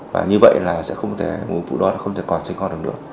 và như vậy là sẽ không thể vụ đó sẽ không thể còn sinh hoạt được nữa